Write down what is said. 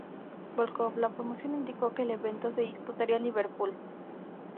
Volkov, la promoción indicó que el evento se disputaría en Liverpool.